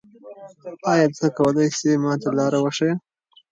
آیا ته کولای سې ما ته لاره وښیې؟